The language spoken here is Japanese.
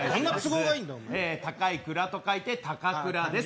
高い倉と書いて、高倉です。